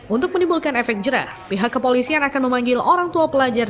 untuk menimbulkan efek jerah pihak kepolisian akan memanggil orang tua pelajar